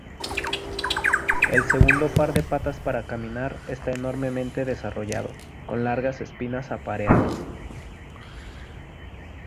El segundo par de patas para caminar está enormemente desarrollado, con largas espinas apareadas.